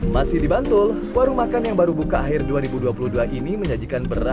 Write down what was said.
masih di bantul warung makan yang baru buka akhir dua ribu dua puluh dua ini menyajikan beras